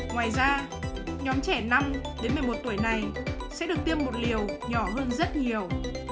ngoài ra nhóm trẻ năm một mươi một tuổi này sẽ được tiêm một liều nhỏ hơn rất nhiều